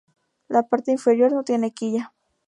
La parte inferior no tiene quilla.